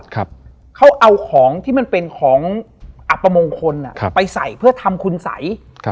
เขาเอาของที่มันเป็นของอัปมงคลไปใส่เพื่อทำคุณใส